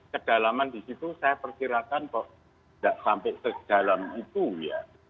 kedalaman di situ saya perkirakan kok tidak sampai ke dalam itu ya